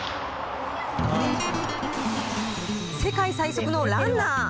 世界最速のランナー。